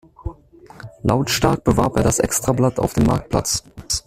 Lautstark bewarb er das Extrablatt auf dem Marktplatz.